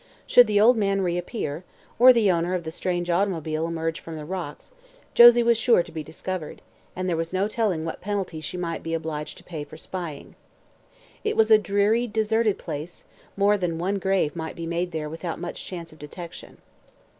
Should the old man reappear or the owner of the strange automobile emerge from the rocks Josie was sure to be discovered, and there was no telling what penalty she might be obliged to pay for spying. It was a dreary, deserted place; more than one grave might be made there without much chance of detection.